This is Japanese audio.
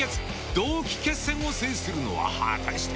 同期決戦を制するのは果たして。